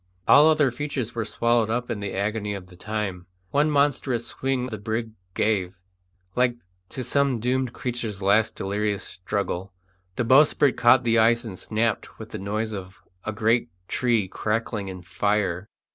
All other features were swallowed up in the agony of the time. One monstrous swing the brig gave, like to some doomed creature's last delirious struggle; the bowsprit caught the ice and snapped with the noise of a great tree crackling in fire.